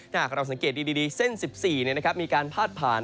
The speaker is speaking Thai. ถ้าหากเราสังเกตดีเส้น๑๔มีการพาดผ่าน